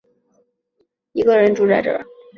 我一个人住在这